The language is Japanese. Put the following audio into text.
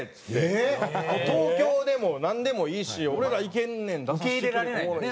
東京でもなんでもいいし俺らいけんねん。受け入れられないんだね。